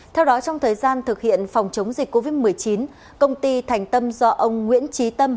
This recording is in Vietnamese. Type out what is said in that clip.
theo đó trong thời gian thực hiện phòng chống dịch covid một mươi chín công ty thành tâm do ông nguyễn trí tâm